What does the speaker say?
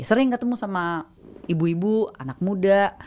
sering ketemu sama ibu ibu anak muda